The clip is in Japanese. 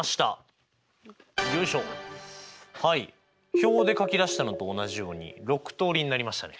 表で書き出したのと同じように６通りになりましたね。